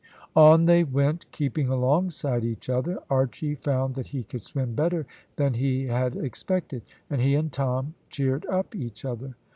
On they went, keeping alongside each other. Archy found that he could swim better than he had expected, and he and Tom cheered up each other.